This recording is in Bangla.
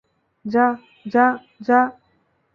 যা, যা, যা!